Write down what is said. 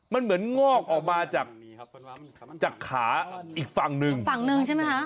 มันเหมือนงอกออกมาจากจากขาอีกฝั่งหนึ่งฝั่งหนึ่งใช่ไหมคะ